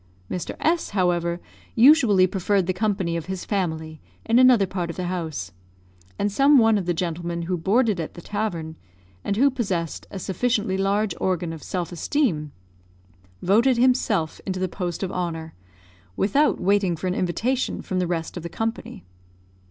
Mr. S , however, usually preferred the company of his family in another part of the house; and some one of the gentlemen who boarded at the tavern, and who possessed a sufficiently large organ of self esteem, voted himself into the post of honour, without waiting for an invitation from the rest of the company.